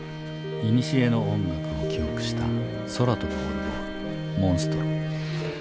いにしえの音楽を記憶した空飛ぶオルゴール「モンストロ」。